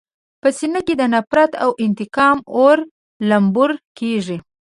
په سینه کې د نفرت او انتقام اور لمبور کېږي.